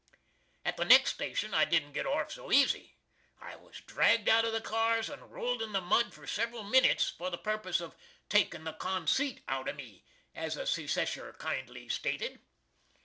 At the next station I didn't get orf so easy. I was dragged out of the cars and rolled in the mud for several minits, for the purpose of "takin the conseet out of me," as a Secesher kindly stated.